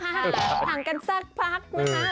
ห่างกันสักพักนะคะ